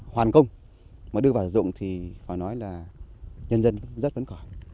hoàn công mà đưa vào sử dụng thì phải nói là nhân dân rất vấn khỏi